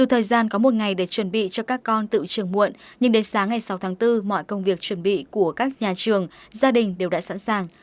dù thời gian có một ngày để chuẩn bị cho các con tự trường muộn nhưng đến sáng ngày sáu tháng bốn mọi công việc chuẩn bị của các nhà trường gia đình đều đã sẵn sàng